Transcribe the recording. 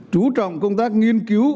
chú trọng công tác nghiên cứu